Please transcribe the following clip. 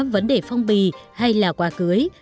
vấn đề phong bì hay là qua cưới